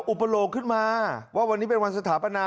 อุปโลกขึ้นมาว่าวันนี้เป็นวันสถาปนา